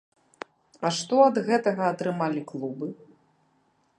А што ад гэтага атрымалі клубы?